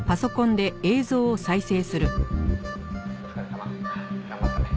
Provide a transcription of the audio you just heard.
「お疲れさま。頑張ったね」